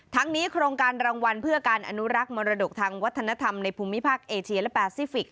ทั้งนี้โครงการรางวัลเพื่อการอนุรักษ์มรดกทางวัฒนธรรมในภูมิภาคเอเชียและแปซิฟิกส